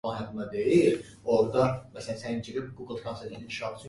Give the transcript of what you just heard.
The brand has since disappeared.